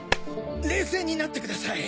冷静になってください！